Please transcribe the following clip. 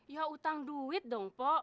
ya utang duit dong pak